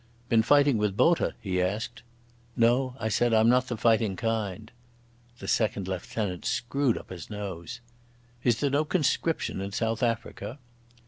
"Been fighting with Botha?" he asked. "No," I said. "I'm not the fighting kind." The second lieutenant screwed up his nose. "Is there no conscription in South Africa?"